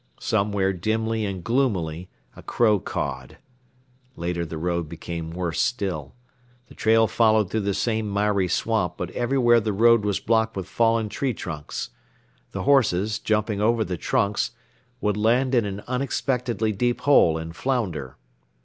Somewhere dimly and gloomily a crow cawed. Later the road became worse still. The trail followed through the same miry swamp but everywhere the road was blocked with fallen tree trunks. The horses, jumping over the trunks, would land in an unexpectedly deep hole and flounder.